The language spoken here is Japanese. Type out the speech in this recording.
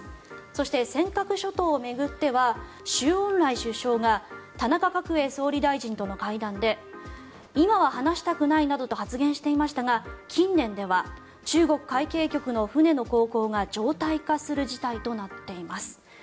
そして、尖閣諸島を巡っては周恩来首相が田中角栄総理大臣との会談で今は話したくないなどと発言していましたが近年では中国海警局の船の航行が常態化する事態となっています。